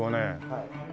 はい。